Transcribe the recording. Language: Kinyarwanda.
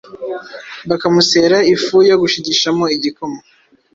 bakamusera ifu yo gushigishamo igikoma.